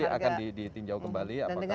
akan ditinjau kembali